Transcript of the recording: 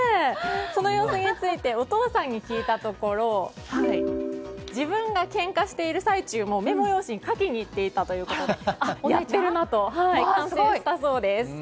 その様子についてお父さんに聞いたところ自分がけんかしている最中もメモ用紙に書きに行っていたということであ、やってるなと感心したそうです。